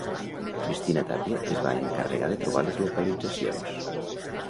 Cristina Tapia es va encarregar de trobar les localitzacions.